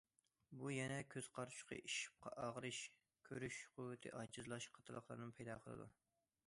بۇ يەنە كۆز قارىچۇقى ئىششىپ ئاغرىش، كۆرۈش قۇۋۋىتى ئاجىزلاش قاتارلىقلارنىمۇ پەيدا قىلىدۇ.